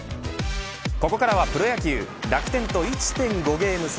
ここからはプロ野球楽天と１．５ゲーム差。